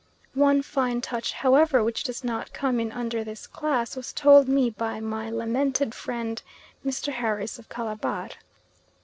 One fine touch, however, which does not come in under this class was told me by my lamented friend Mr. Harris of Calabar.